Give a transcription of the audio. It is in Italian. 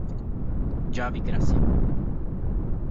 Javi Gracia